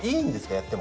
やっても。